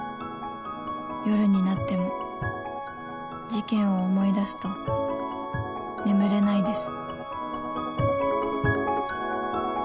「夜になっても事件を思い出すと眠れないです」